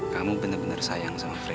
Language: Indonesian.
kamu bener bener sayang sama fre